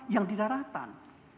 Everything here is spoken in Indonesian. yang di daratan